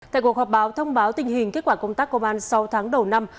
tại cuộc họp báo thông báo tình hình kết quả công tác công an sáu tháng đầu năm